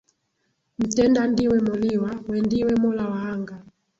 Mtenda ndiwe Moliwa, we ndiwe Mola wa anga